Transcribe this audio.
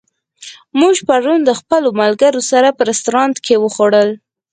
موږ پرون د خپلو ملګرو سره په رستورانت کې وخوړل.